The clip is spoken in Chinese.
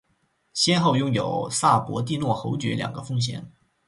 先后拥有萨博蒂诺侯爵两个封衔。